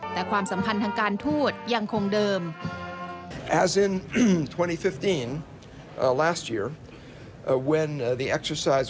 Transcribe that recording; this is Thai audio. แต่ความสัมพันธ์ทางการทูตยังคงเดิม